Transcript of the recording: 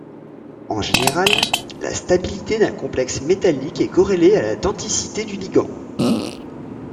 En général, la stabilité d'un complexe métallique est corrélée à la denticité du ligand.